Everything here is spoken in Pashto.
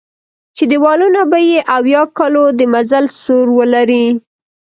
چې دېوالونه به یې اویا کالو د مزل سور ولري.